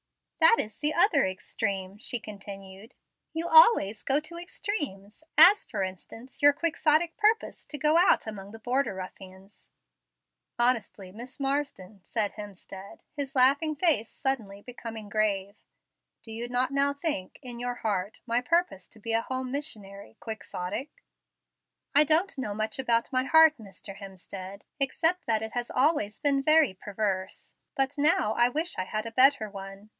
"That is the other extreme," she continued. "You always go to extremes, as, for instance, your quixotic purpose to go out among the border ruffians." "Honestly, Miss Marsden," said Hemstead, his laughing face suddenly becoming grave, "you do not now think, in your heart, my purpose to be a home missionary 'quixotic'?" "I don't know much about my heart, Mr. Hemstead, except that it has always been very perverse. But I now wish I had a better one.